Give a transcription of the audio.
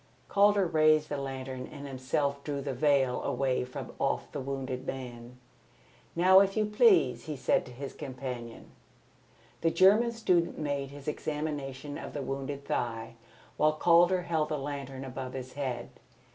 Calder raised the lantern and himself drew the veil away from off the wounded man. "Now if you please," he said to his companion. The German student made his examination of the wounded thigh, while Calder held the lantern above his head.